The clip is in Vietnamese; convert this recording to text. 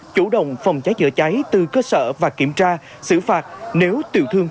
chủ động phòng cháy chữa cháy từ cơ sở và kiểm tra xử phạt nếu tiểu thương